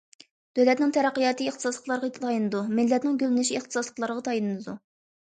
دۆلەتنىڭ تەرەققىياتى ئىختىساسلىقلارغا تايىنىدۇ، مىللەتنىڭ گۈللىنىشى ئىختىساسلىقلارغا تايىنىدۇ.